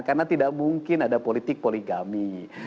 karena tidak mungkin ada politik poligami